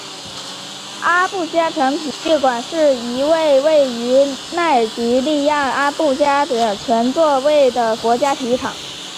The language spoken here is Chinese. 阿布加国家体育场是一座位于奈及利亚阿布加的全座位国家体育场。